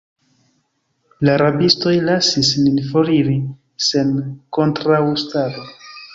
La rabistoj lasis nin foriri sen kontraŭstaro.